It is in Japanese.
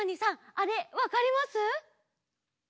あれわかります？